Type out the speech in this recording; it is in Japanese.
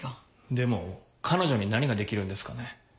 でも彼女に何ができるんですかね。